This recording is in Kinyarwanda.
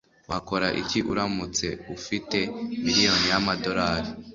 Wakora iki uramutse ufite miliyoni y'amadolari?